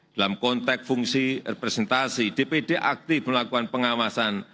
dalam konteks fungsi representasi dpd aktif melakukan pengawasan